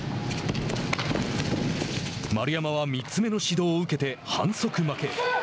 丸山は３つ目の指導を受けて反則負け。